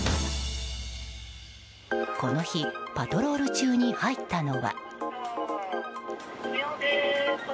この日パトロール中に入ったのは。